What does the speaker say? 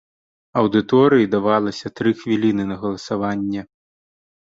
Аўдыторыі давалася тры хвіліны на галасаванне.